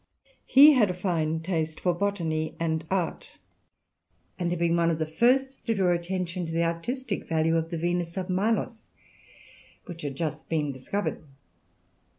He had a fine taste for botany and art, and had been one of the first to draw attention to the artistic value of the Venus of Milos which had just been discovered.